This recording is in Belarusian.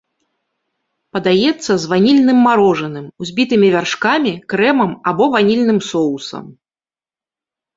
Падаецца з ванільным марожаным, узбітымі вяршкамі, крэмам або ванільным соусам.